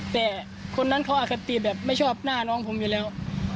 แต่คนนั้นเขาอคติแบบไม่ชอบหน้าน้องผมอยู่แล้ว